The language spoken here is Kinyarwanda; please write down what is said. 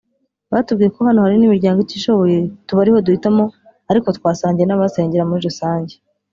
Batubwiye ko hano hari n’imiryango itishoboye tuba ari ho duhitamo ariko twasangiye n’abahasengera muri rusange